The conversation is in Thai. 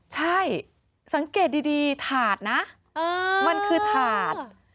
ใช่สังเกตดีถาดนะมันคือถาด